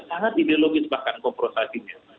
sangat ideologis bahkan komprosasinya